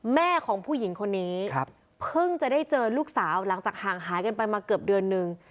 แม่ของผู้หญิงคนนี้เพิ่งจะได้เจอลูกสาวหลังจากห่างหายกันไปมาเกือบเดือนนึง